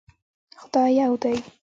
خدای يو دی